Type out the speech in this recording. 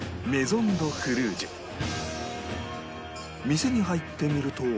店に入ってみると